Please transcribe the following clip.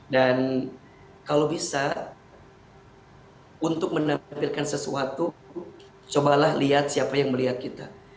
dan kalau bisa untuk menampilkan sesuatu cobalah lihat siapa yang melihat kita